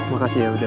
makasih ya udah